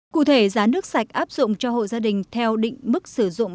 cụ thể giá nước sạch áp dụng cho hộ gia đình theo định mức sử dụng